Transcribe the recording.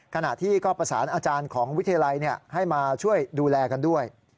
ขณะที่ก็ประสานอาจารย์ของวิทยาลัยให้มาช่วยดูแลกันด้วย